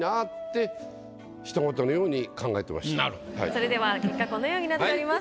それでは結果このようになっております。